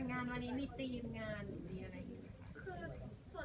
งานวันนี้มีธีมงานหรือมีอะไรอยู่